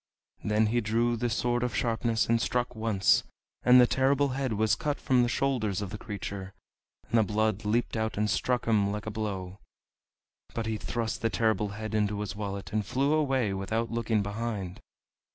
Then he drew the Sword of Sharpness and struck once, and the Terrible Head was cut from the shoulders of the creature, and the blood leaped out and struck him like a blow. But he thrust the Terrible Head into his wallet, and flew away without looking behind.